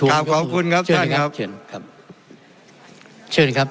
ขอขอบคุณครับท่านครับ